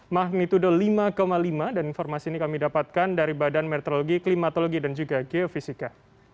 mahnitudo lima lima dan informasi ini kami dapatkan dari badan meteorologi klimatologi dan juga geofisika